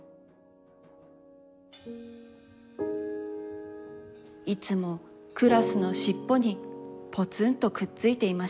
いつもクラスのしっぽにぽつんとくっついていました。